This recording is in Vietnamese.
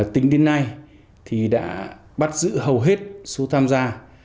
tính đến nay thì đã bắt giữ hầu hết số tham gia